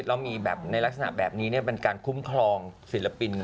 แล้วมีแบบในลักษณะแบบนี้เป็นการคุ้มครองศิลปิน